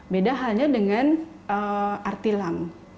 beda halnya dengan rt lam